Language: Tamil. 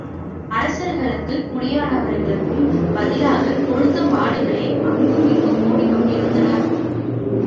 அரசர்களுக்கும் குடியானவர்களுக்கும் பதிலாகக் கொழுத்த மாடுகளே அங்குமிங்கும் ஓடிக்கொண்டிருந்தன.